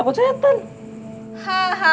makin dari nganggis sih